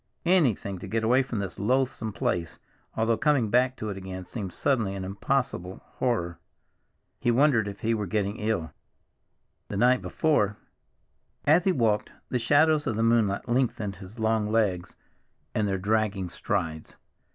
Anything to get away from this loathsome place, although coming back to it again seemed suddenly an impossible horror. He wondered if he were getting ill. The night before— As he walked, the shadows of the moonlight lengthened his long legs, and their dragging strides.